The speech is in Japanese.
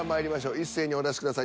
一斉にお出しください。